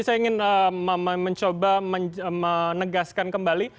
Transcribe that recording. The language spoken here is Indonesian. saya ingin mencoba menegaskan kembali